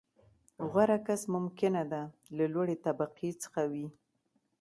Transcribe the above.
• غوره کس ممکنه ده، له لوړې طبقې څخه وي.